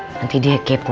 nanti dia kepo